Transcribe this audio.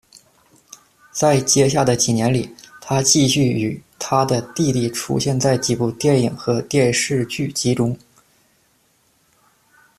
在接下来的几年里，他继续与他的弟弟出现在几部电影和电视剧集中。